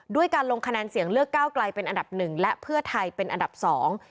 การลงคะแนนเสียงเลือกก้าวไกลเป็นอันดับหนึ่งและเพื่อไทยเป็นอันดับสอง